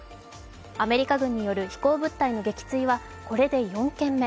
アメリカ軍による飛行物体の撃墜はこれで４件目。